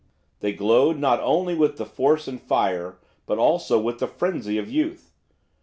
They glowed not only with the force and fire, but, also, with the frenzy of youth.